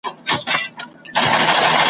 له یوې خوني تر بلي پوری تلله `